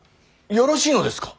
よろしいのですか。